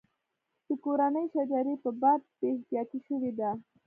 د کورنۍ شجرې په باب بې احتیاطي شوې ده.